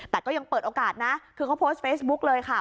แต่ก็ยังเปิดโอกาสนะคือเขาโพสต์เฟซบุ๊กเลยค่ะ